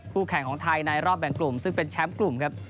แข่งของไทยในรอบแบ่งกลุ่มซึ่งเป็นแชมป์กลุ่มครับ